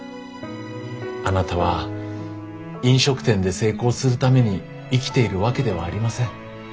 あなたは飲食店で成功するために生きているわけではありません。